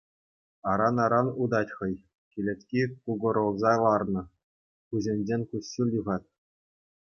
Аран-аран утать хӑй, кӗлетки кукӑрӑлса ларнӑ, куҫӗнчен куҫҫуль юхат.